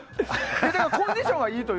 コンディションはいいと。